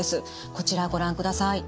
こちらご覧ください。